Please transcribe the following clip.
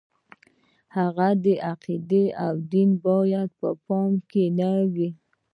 د هغه عقیده او دین باید په پام کې نه وي.